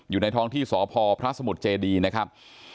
อยู่ในท้องที่สพพระสมุทรเจดีนะครับ